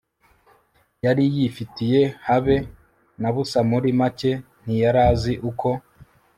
yari yifitiye habe nabusa muri make ntiyarazi uko